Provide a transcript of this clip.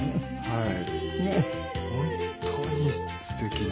はい。